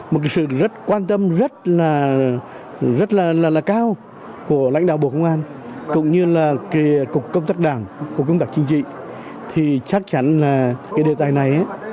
một sự quan tâm rất là cao của lãnh đạo bộ công an cũng như là cục công tác đảng cục công tác chính trị thì chắc chắn là đề tài này